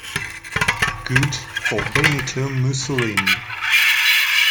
Good for Benito Mussolini.